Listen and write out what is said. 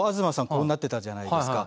こうなってたじゃないですか。